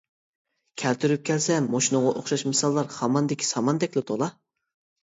كەلتۈرۈپ كەلسەم مۇشۇنىڭغا ئوخشاش مىساللار خاماندىكى ساماندەكلا تولا.